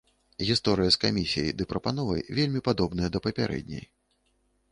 Гісторыя з камісіяй ды прапановай вельмі падобная да папярэдняй.